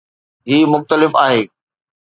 هي مختلف آهي